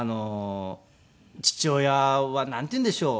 父親はなんていうんでしょう。